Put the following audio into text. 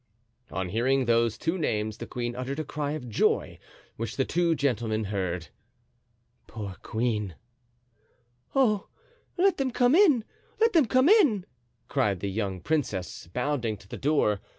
On hearing those two names the queen uttered a cry of joy, which the two gentlemen heard. "Poor queen!" murmured Athos. "Oh, let them come in! let them come in," cried the young princess, bounding to the door.